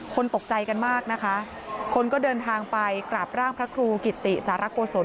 คนตกใจกันมากนะคะคนก็เดินทางไปกราบร่างพระครูกิติสารโกศล